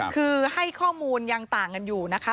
คือให้ข้อมูลยังต่างกันอยู่นะคะ